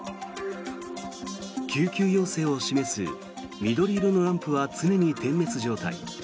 救急要請を示す緑色のランプは常に点滅状態。